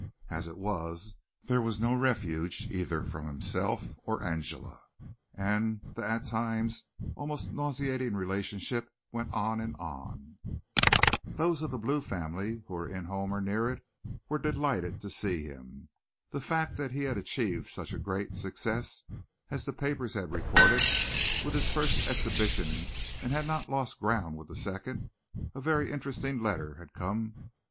As it was there was no refuge either from himself or Angela, and the at times almost nauseating relationship went on and on. Those of the Blue family, who were in the home or near it, were delighted to see him. The fact that he had achieved such a great success, as the papers had reported, with his first exhibition and had not lost ground with the second a very interesting letter had come from M.